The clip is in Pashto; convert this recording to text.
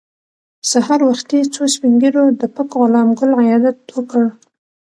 سهار وختي څو سپین ږیرو د پک غلام ګل عیادت وکړ.